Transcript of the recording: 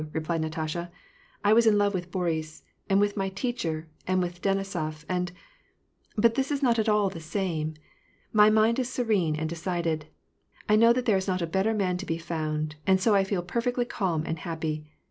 " replied Natasha. " I was in love with Boris, and with my teacher, and with Denisof, and — but this is not at all the same. My mind is serene and decided. I know that there is not a better man to be found, and so I feel perfectly calm and happy.